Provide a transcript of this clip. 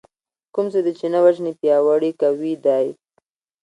کوم څه دې چې نه وژنې پياوړي کوي دی .